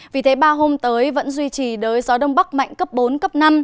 vì thế ba hôm tới vẫn duy trì đới gió đông bắc mạnh cấp bốn cấp năm